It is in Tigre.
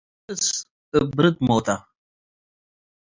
ጋሻይ አርእስ" እብ ብርድ ሞተ።